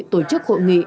tổ chức hội nghị